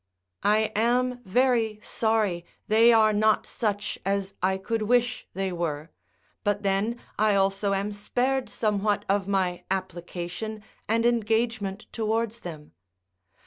I am very sorry they are not such as I could wish they were, but then I also am spared somewhat of my application and engagement towards them.